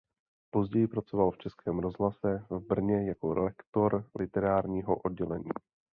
Později pracoval v Českém rozhlase v Brně jako lektor literárního oddělení.